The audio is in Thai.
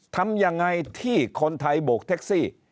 ทำยังไงที่คนไทยโบกแท็กซี่